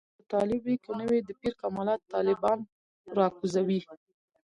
که دلته طالب وي که نه وي د پیر کمالات طالبان راکوزوي.